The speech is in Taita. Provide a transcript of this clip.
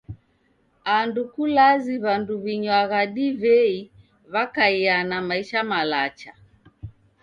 Andu kulazi w'andu w'inywagha divei w'akaia na maisha malacha.